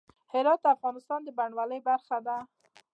هرات د افغانستان د بڼوالۍ برخه ده.